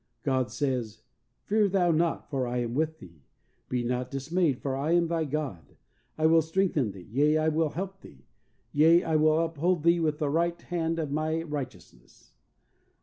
God says, "Fear thou not, for I am with thee; be not dis mayed, for I am thy God; I will strengthen thee ; yea, I will help thee ; yea, I will uphold thee with the right hand of My righteousness."